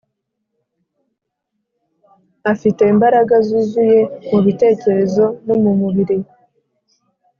afite imbaraga zuzuye mu bitekerezo no mu mubiri